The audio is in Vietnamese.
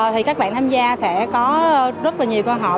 thì các bạn tham gia sẽ có rất là nhiều câu hỏi